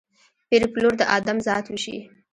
پېر پلور د ادم ذات وشي